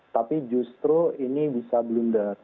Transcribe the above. tapi justru ini bisa blunder